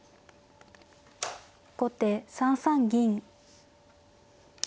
後手３三銀。